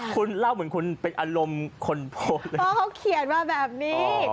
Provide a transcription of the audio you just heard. คุณเล่าเหมือนคุณเป็นอารมณ์คนโพสต์เพราะเขาเขียนมาแบบนี้